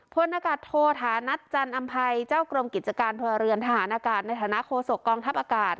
โพสต์นากัดโทษฐานัตจรรย์อำไพรเจ้ากรมกิจการพลเรือนทหารการณ์ในฐานะโคศกองทัพอากาศ